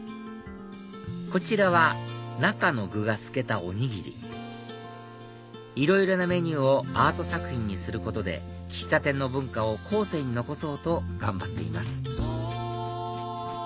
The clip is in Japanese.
こちらは中の具が透けたおにぎりいろいろなメニューをアート作品にすることで喫茶店の文化を後世に残そうと頑張っています